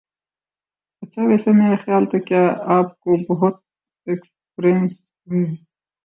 اچھا ویسے میرا خیال تھا کہ آپ کو بہت ایکسپیرینس ہے